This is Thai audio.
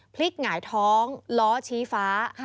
หงายท้องล้อชี้ฟ้า